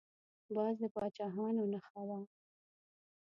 باز د پاچاهانو نښه وه